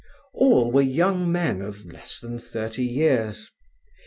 All were young men of less than thirty years.